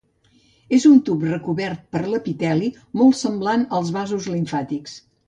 És un tub recobert per epiteli, molt semblant als vasos limfàtics.